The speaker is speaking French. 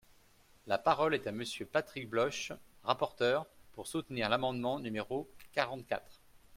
La parole est à Monsieur Patrick Bloche, rapporteur, pour soutenir l’amendement numéro quarante-quatre.